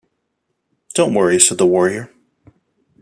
"Don't worry" said the warrior.